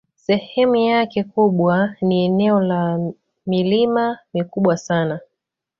Sehemu yake kubwa ni eneo la milima mikubwa sana.